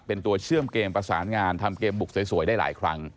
เป็นตัวเชื่อมเกมประสานงานทำเกมบุกสวยได้หลายครั้ง